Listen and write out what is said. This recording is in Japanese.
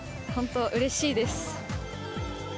本当、うれしいです。